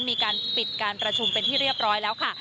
มีการปิดการประชุมเป็นที่เรียบร้อยแล้วค่ะ